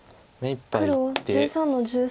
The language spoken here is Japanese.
黒１３の十三。